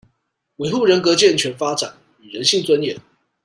維護人格健全發展與人性尊嚴